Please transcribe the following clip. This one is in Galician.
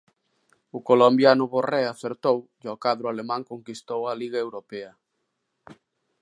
O colombiano Borré acertou e o cadro alemán conquistou a Liga Europa.